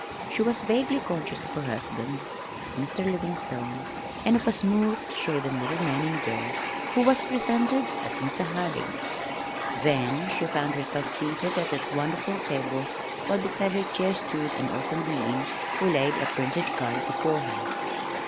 She was vaguely conscious of her husband, of Mr. Livingstone, and of a smooth shaven little man in gray who was presented as "Mr. Harding." Then she found herself seated at that wonderful table, while beside her chair stood an awesome being who laid a printed card before her.